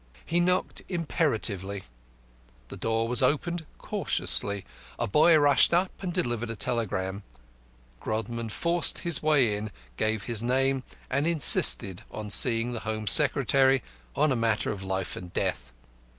He knocked imperatively, the door was opened cautiously; a boy rushed up and delivered a telegram; Grodman forced his way in, gave his name, and insisted on seeing the Home Secretary on a matter of life and death.